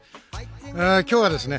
「今日はですね